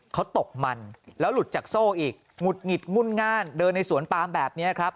เขาตกมันแล้วหลุดจากโซ่อีกหงุดหงิดงุ่นง่านเดินในสวนปามแบบนี้ครับ